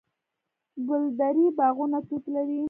د ګلدرې باغونه توت لري.